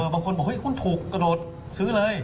เออบางคนบอกว่าหุ้นถูกกระโดดซื้อเลย